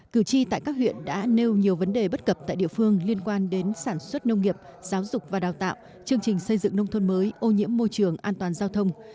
cử tri tại các huyện đã nêu nhiều vấn đề bất cập tại địa phương liên quan đến sản xuất nông nghiệp giáo dục và đào tạo chương trình xây dựng nông thôn mới ô nhiễm môi trường an toàn giao thông